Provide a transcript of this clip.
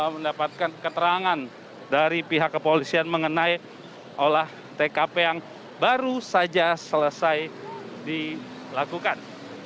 mendapatkan keterangan dari pihak kepolisian mengenai olah tkp yang baru saja selesai dilakukan